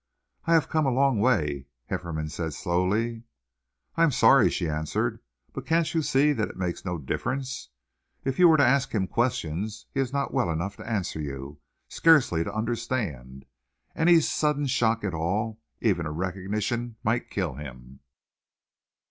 "I have come a long way," Hefferom said slowly. "I am sorry," she answered, "but can't you see that it makes no difference? If you were to ask him questions, he is not well enough to answer you scarcely to understand. Any sudden shock at all even a recognition might kill him."